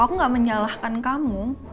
aku gak menyalahkan kamu